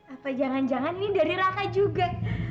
apa jangan jangan ini dari raka juga